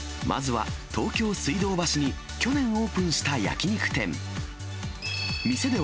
まずは、東京・水道橋に去年オープンした焼き肉店。